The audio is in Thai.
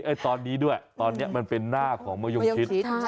ตอนนี้ด้วยตอนนี้มันเป็นหน้าของมะยงชิด